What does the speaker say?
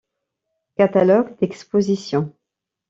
Catalogue d'exposition.